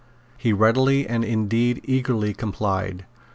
He readily and indeed eagerly complied.